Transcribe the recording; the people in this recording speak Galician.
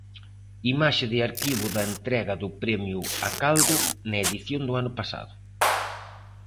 Imaxe de arquivo da entrega do premio a Caldo na edición do ano pasado.